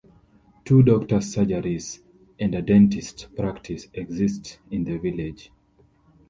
Two doctors surgeries and a dentist's practice exist in the village.